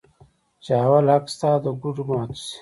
چې اول حق ستا د ګوډو ماتو شي.